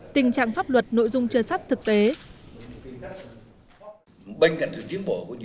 tình trạng pháp luật nội dung chơ sát thực tế